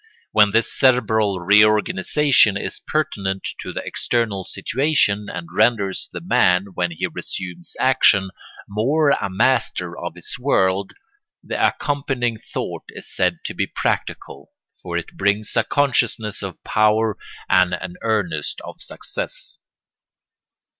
When this cerebral reorganisation is pertinent to the external situation and renders the man, when he resumes action, more a master of his world, the accompanying thought is said to be practical; for it brings a consciousness of power and an earnest of success.